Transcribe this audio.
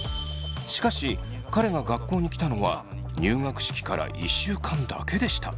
しかし彼が学校に来たのは入学式から１週間だけでした。